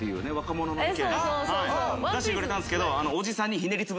出してくれたんすけど。